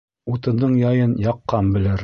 Утындың яйын яҡҡан белер.